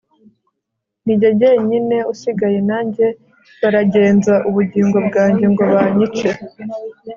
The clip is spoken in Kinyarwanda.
Ni jye jyenyine usigaye nanjye baragenza ubugingo bwanjye ngo banyice